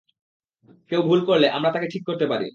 কেউ ভুল করলে, আমরা তাকে ঠিক করতে পারি।